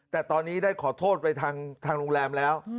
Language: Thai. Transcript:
แต่ตอนนี้ได้ขอโทษไปทางโรงแรมแล้ว